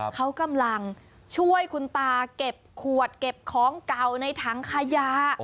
เขากำลังช่วยคุณตาเก็บขวดเก็บของเก่าในถังขยะ